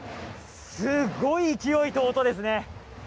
すごい勢いと音ですね。